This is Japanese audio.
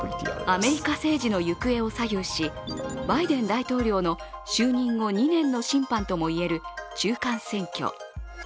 アメリカ政治の行方を左右し、バイデン大統領の就任後２年の審判とも言える中間選挙。